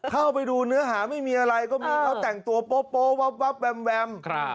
เข้าไปดูเนื้อหาไม่มีอะไรก็มีเขาแต่งตัวโป๊วับแวม